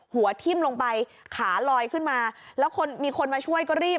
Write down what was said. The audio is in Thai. หัวทิ้มลงไปขาลอยขึ้นมาแล้วคนมีคนมาช่วยก็รีบ